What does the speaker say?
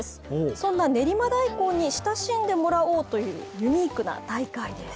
そんな練馬大根に親しんでもらおうというユニークな大会です。